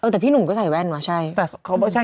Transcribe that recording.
แต่พี่หนุ่มก็ใส่แว่นมาใช่